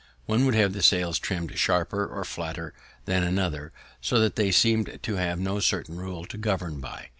One would have the sails trimm'd sharper or flatter than another, so that they seem'd to have no certain rule to govern by.